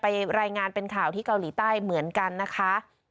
รายงานเป็นข่าวที่เกาหลีใต้เหมือนกันนะคะ